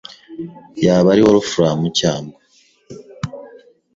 yaba ari Wolfram cyangwa